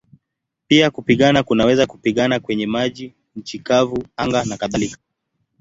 Pia kupigana kunaweza kupigana kwenye maji, nchi kavu, anga nakadhalika.